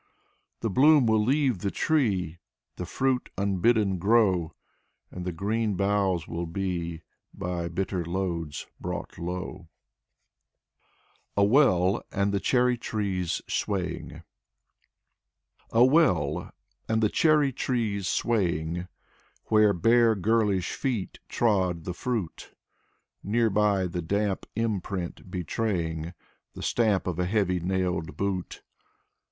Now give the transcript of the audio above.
The bloom will leave the tree, The fruit, unbidden, grow. And the green boughs will be By bitter loads brought low. 36 Alexey K. Tolstoy " A WELL, AND THE CHERRY TREES SWAYING " A well, and the cherry trees swaying Where bare girlish feet trod the fruit; Nearby the damp imprint betraying The stamp of a heavy nailed boot.